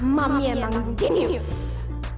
mam emang genius